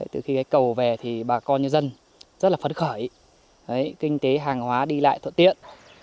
từ khi cầu về thì bà con nhân dân rất là phấn khởi kinh tế hàng hóa đi lại thuận tiện